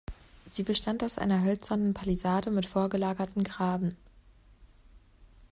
Sie bestand aus einer hölzernen Palisade mit vorgelagerten Graben.